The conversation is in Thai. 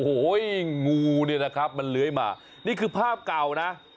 โอ้โหงูเนี่ยนะครับมันเลื้อยมานี่คือภาพเก่านะ